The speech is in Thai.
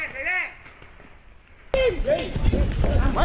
สวัสดีครับคุณผู้ชาย